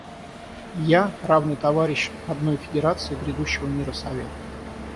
Я — равный товарищ одной Федерации грядущего мира Советов.